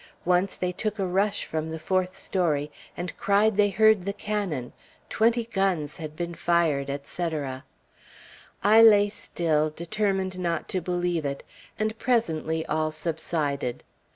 Once they took a rush from the fourth story, and cried they heard the cannon; twenty guns had been fired, etc. I lay still, determined not to believe it; and presently all subsided.